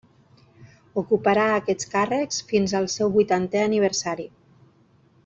Ocuparà aquests càrrecs fins al seu vuitantè aniversari.